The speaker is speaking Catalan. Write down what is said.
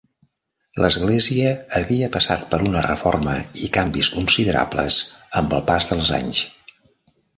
L'església havia passat per una reforma i canvis considerables amb el pas dels anys.